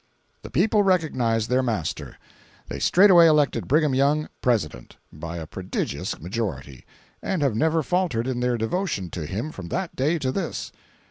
The people recognized their master. They straightway elected Brigham Young President, by a prodigious majority, and have never faltered in their devotion to him from that day to this.